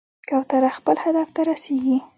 کوتره خپل هدف ته رسېږي.